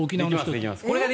できます。